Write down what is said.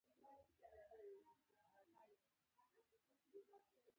پر نورو علومو اغېز ښنده.